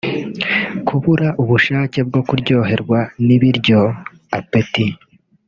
Kubura ubushake bwo kuryoherwa n’ibiryo (Appetit)